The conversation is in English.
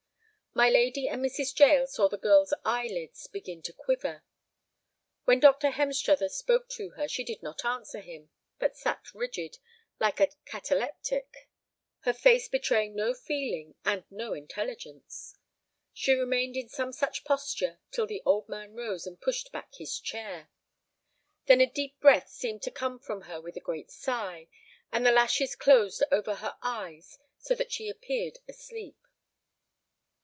My lady and Mrs. Jael saw the girl's eyelids begin to quiver. When Dr. Hemstruther spoke to her she did not answer him, but sat rigid, like a cataleptic, her face betraying no feeling and no intelligence. She remained in some such posture till the old man rose and pushed back his chair. Then a deep breath seemed to come from her with a great sigh, and the lashes closed over her eyes so that she appeared asleep.